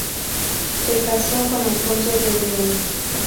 Se caso con Alfonso de Brienne.